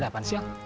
ada apaan sih amp